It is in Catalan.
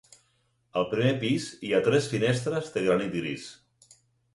Al primer pis hi ha tres finestres de granit gris.